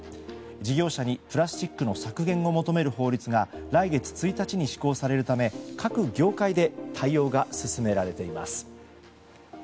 事業者にプラスチックの削減を求める法律が来月１日に施行されるため各業界で対応が進められています。